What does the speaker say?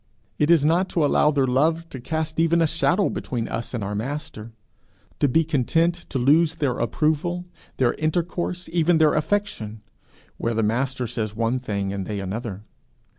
it is not to allow their love to cast even a shadow between us and our Master; to be content to lose their approval, their intercourse, even their affection, where the Master says one thing and they another.